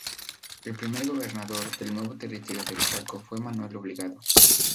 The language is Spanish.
El primer Gobernador del nuevo Territorio del Chaco fue Manuel Obligado.